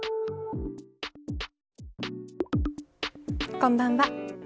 こんばんは。